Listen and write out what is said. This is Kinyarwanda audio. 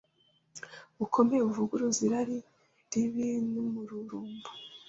bukomeye buvuguruza irari ribi n’umururumba? …